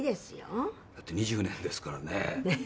谷村：だって２０年ですからね。